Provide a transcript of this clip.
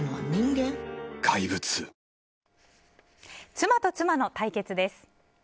妻と妻の対決です。